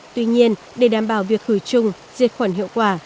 tuy nhiên để đảm bảo việc khử trùng diệt khuẩn hiệu quả